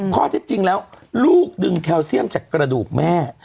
ข้อเท็จจริงแล้วลูกดึงแคลเซียมจากกระดูกแม่